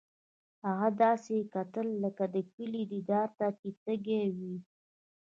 هغه داسې کتل لکه د کلي دیدار ته چې تږی وي